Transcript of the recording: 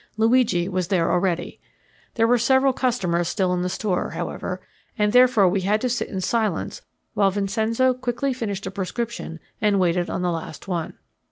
Luigi was there already. There were several customers still in the store, however, and therefore we had to sit in silence while Vincenzo quickly finished a prescription and waited on the last one.